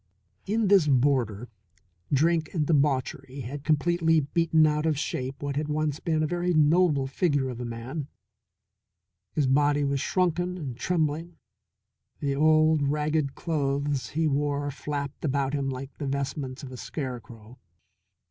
In this boarder drink and debauchery had completely beaten out of shape what had once been a very noble figure of a man. His body was shrunken and trembling; the old, ragged clothes he wore flapped about him like the vestments of a scarecrow.